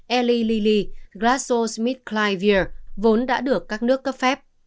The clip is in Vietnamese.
eli lili glasose mit clivir vốn đã được các nước cấp phép